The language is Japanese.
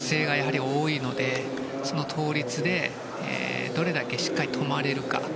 倒立の姿勢が多いのでその倒立でどれだけしっかり止まれるか。